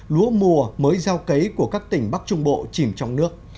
lúa mùa mới gieo cấy của các tỉnh bắc trung bộ chìm trong nước